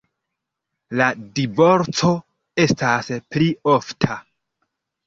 La divorco estas pli ofta.